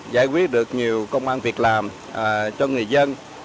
giải quyết được nhiều công an việc làm cho người dân